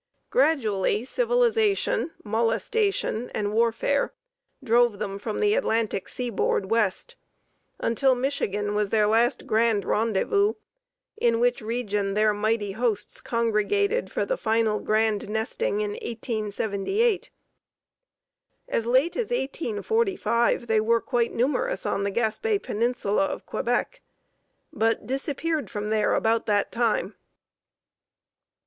Gradually civilization, molestation and warfare drove them from the Atlantic seaboard west, until Michigan was their last grand rendezvous, in which region their mighty hosts congregated for the final grand nesting in 1878. As late as 1845 they were quite numerous on the Gaspé Peninsula of Quebec, but disappeared from there about that time.